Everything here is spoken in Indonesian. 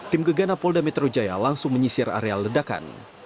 tim gegana polda metro jaya langsung menyisir area ledakan